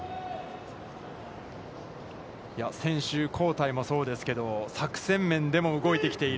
選手交代もそうですけど、作戦面でも動いてきている